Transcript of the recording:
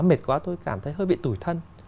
mệt quá tôi cảm thấy hơi bị tủi thân